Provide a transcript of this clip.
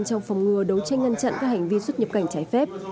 trong phòng ngừa đấu tranh ngăn chặn các hành vi xuất nhập cảnh trái phép